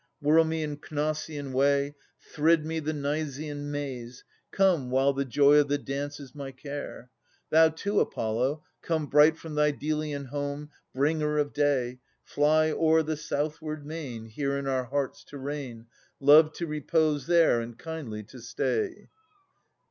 Whirl me in Cnossian ways — thrid me the Nysian mase ! Come, while the joy of the dance is my care ! Thou too, Apollo, come Bright from thy Delian home, Bringer of day. Fly o'er the southward main Here in our hearts to reign, Loved to repose there and kindly to stay.